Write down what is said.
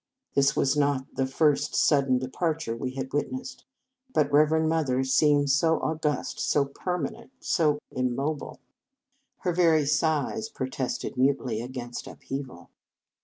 This was not the first sud den departure we had witnessed ; but Reverend Mother seemed so august, so permanent, so immobile. Her very size protested mutely against upheaval.